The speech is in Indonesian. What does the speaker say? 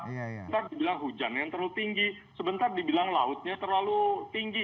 ntar dibilang hujan yang terlalu tinggi sebentar dibilang lautnya terlalu tinggi